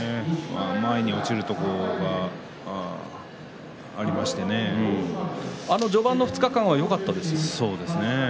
前に落ちるところが序盤の２日間はよかったですよね。